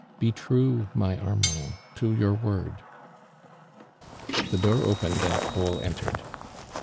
Be true, my Arrnand, to your word." The door opened and Paul entered.